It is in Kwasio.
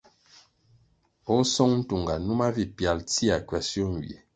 O Song Ntunga, numa vi pyalʼ tsia kwasio nywie.